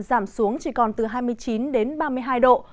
giảm xuống chỉ còn từ hai mươi chín đến ba mươi hai độ